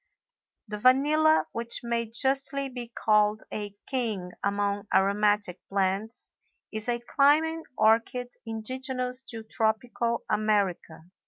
The vanilla, which may justly be called a king among aromatic plants, is a climbing orchid indigenous to tropical America.